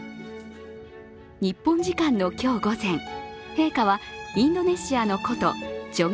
日本時間の今日午前、陛下はインドネシアの古都、ジョグ